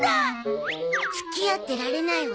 付き合ってられないわ。